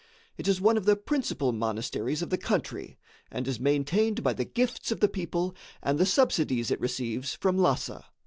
It is one of the principal monasteries of the country, and is maintained by the gifts of the people and the subsidies it receives from Lhassa.